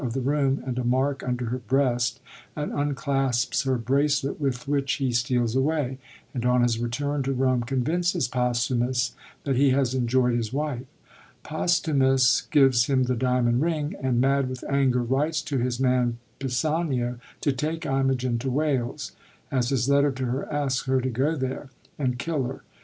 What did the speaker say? of the room, and a mark under her breast, and unclasps her bracelet, with which he steals away, and, on his return to Rome, convinces Posthumus that he has enjoyd his wife. Posthumus gives him the diamond ring, and, mad with anger, writes to his man Pisanio to take Imogen to Wales— as his letter to her asks her to go there, — and kill her.